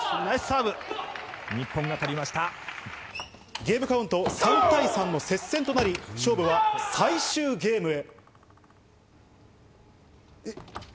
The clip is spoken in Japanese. ゲームカウント３対３の接戦となり勝負は最終ゲームへ。